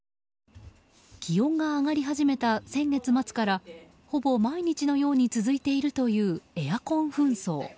気温が上がり始めた先月末からほぼ毎日のように続いているというエアコン紛争。